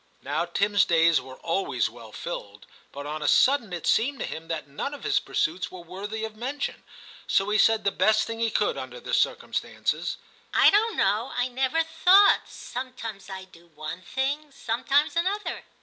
' Now Tim*s days were always well filled, but on a sudden it seemed to him that none of his pursuits were worthy of mention, so he said the best thing he could under the circumstances —* I don*t know ; I never thought ; some times I do one thing, sometimes another.